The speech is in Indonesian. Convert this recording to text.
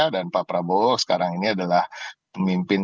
dan pak prabowo sekarang ini adalah pemimpin